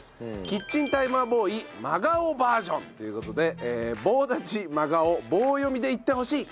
キッチンタイマーボーイ真顔バージョンという事で棒立ち真顔棒読みで言ってほしい。